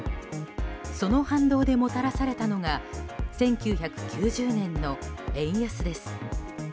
その反動でもたらされたのが１９９０年の円安です。